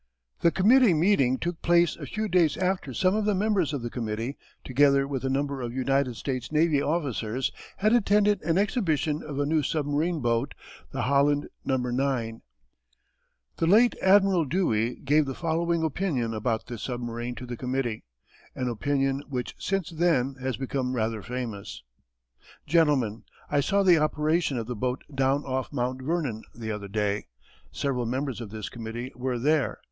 The committee meeting took place a few days after some of the members of the committee, together with a number of United States navy officers, had attended an exhibition of a new submarine boat, the Holland No. 9. The late Admiral Dewey gave the following opinion about this submarine to the committee, an opinion which since then has become rather famous: Gentlemen: I saw the operation of the boat down off Mount Vernon the other day. Several members of this committee were there.